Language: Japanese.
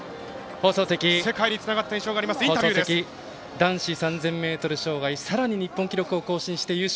放送席、男子３０００ｍ障害さらに日本記録を更新して優勝。